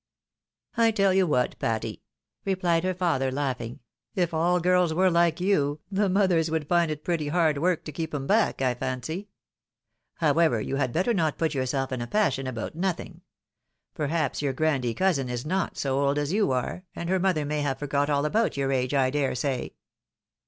" "I teU you what, Patty," replied her father, laughing ;" if aU girls were like you, the mothers would find it pretty hard work to keep 'em back, I fancy. However, you had better not put yotirself in a passion about nothing. Perhaps your grandee cousin is not so old as you are — and her mother may have forgot all about your age, I dare say."